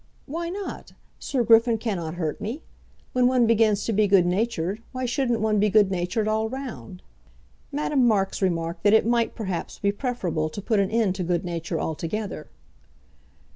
"Why not? Sir Griffin can't hurt me. When one begins to be good natured, why shouldn't one be good natured all round?" Madame Max remarked that it might, perhaps, be preferable to put an end to good nature altogether.